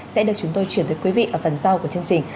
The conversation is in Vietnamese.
sẽ được chúng tôi chuyển tới quý vị ở phần sau của chương trình